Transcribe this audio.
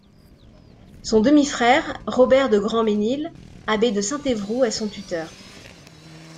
Son demi-frère Robert de Grandmesnil, abbé de Saint-Évroult, est son tuteur.